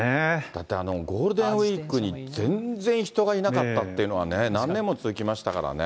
だってゴールデンウィークに全然人がいなかったっていうのは何年も続きましたからね。